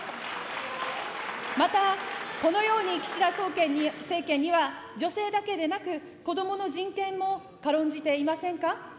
また、このように岸田政権には女性だけでなく、子どもの人権も軽んじていませんか。